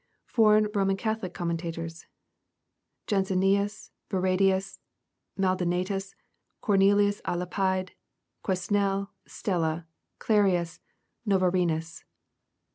3. Foreign Roman Catholic Commentoitors, — Janse nius, Barradius, Maldonatus, Cornelius k Lapide, Ques nel, Stella, Clarius, Novarinus.